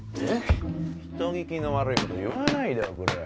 人聞きの悪いこと言わないでおくれよ